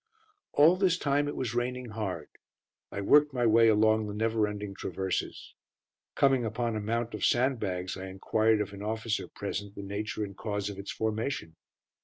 All this time it was raining hard. I worked my way along the never ending traverses. Coming upon a mount of sandbags, I enquired of an officer present the nature and cause of its formation.